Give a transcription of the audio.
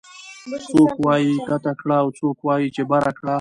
څوک وايي کته کړه او څوک وايي چې بره کړه